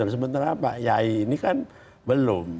sebenarnya pak kiai ini kan belum